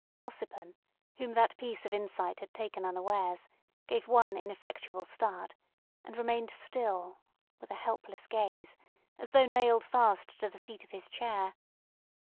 Ossipon, whom that piece of insight had taken unawares, gave one ineffectual start, and remained still, with a helpless gaze, as though nailed fast to the seat of his chair.